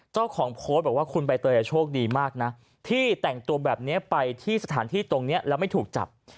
เจ้าของโพสต์บอกว่าคุณใบเตยโชคดีมากนะที่แต่งตัวแบบนี้ไปที่สถานที่ตรงนี้แล้วไม่ถูกจับ